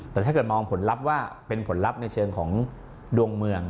แต่ถ้าเกิดมองผลลัพธ์ว่าเป็นผลลัพธ์ในเชิงของดวงเมือง